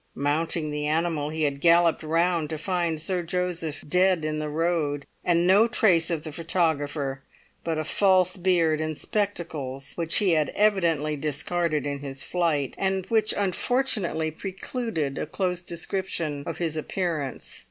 Mounting the animal, he had galloped round to find Sir Joseph dead in the road, and no trace of the "photographer" but a false beard and spectacles which he had evidently discarded in his flight, and which unfortunately precluded a close description of his appearance.